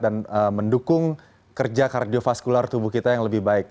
dan mendukung kerja kardiovaskular tubuh kita yang lebih baik